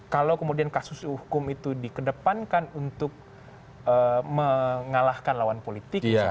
kalau kemudian kasus hukum itu dikedepankan untuk mengalahkan lawan politik